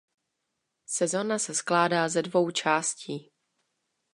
Sezona se skládá ze dvou částí.